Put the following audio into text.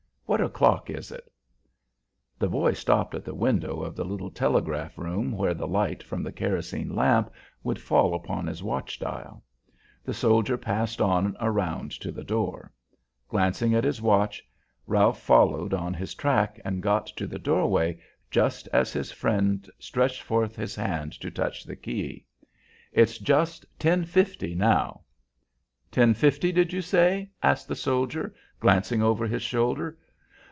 What o'clock is it?" The boy stopped at the window of the little telegraph room where the light from the kerosene lamp would fall upon his watch dial. The soldier passed on around to the door. Glancing at his watch, Ralph followed on his track and got to the door way just as his friend stretched forth his hand to touch the key. "It's just ten fifty now." "Ten fifty, did you say?" asked the soldier, glancing over his shoulder.